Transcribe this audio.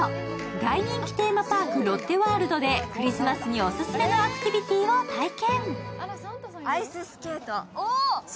大人気テーマパーク、ロッテワールドでクリスマスにオススメのアクティビティーを体験。